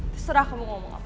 terserah kamu ngomong apa